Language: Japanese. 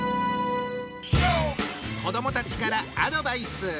子どもたちからアドバイス！